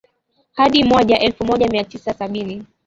hadi mwaja elfu moja mia tisa sabini